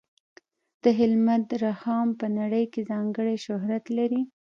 د هلمند رخام په نړۍ کې ځانګړی شهرت لري.